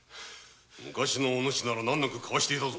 昔のお主なら難なくかわしていたぞ。